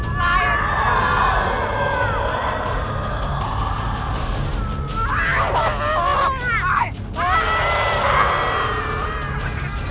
มาห้าให้อะไรตรงนี้กันวะเนี่ย